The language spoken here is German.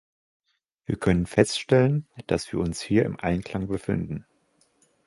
Wir können feststellen, dass wir uns hier im Einklang befinden.